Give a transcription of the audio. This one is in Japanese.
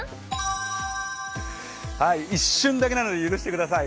一瞬だけなので許してください。